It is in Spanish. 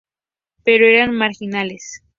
Pero eran marginales.